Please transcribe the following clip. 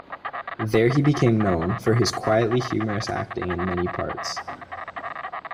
There he became known for his quietly humorous acting in many parts.